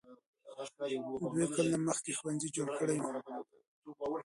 دوی کلونه مخکې ښوونځي جوړ کړي وو.